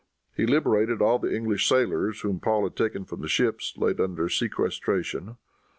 He liberated all the English sailors whom Paul had taken from the ships laid under sequestration.